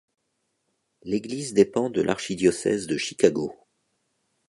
L'église dépend de l'archidiocèse de Chicago.